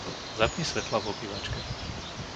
Zapni svetlá v obývačke.